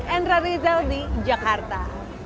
endra rizal di jakarta